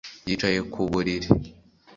Yicaye ku buriri